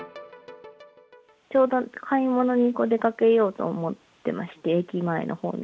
ちょうど買い物に出かけようと思ってまして、駅前のほうに。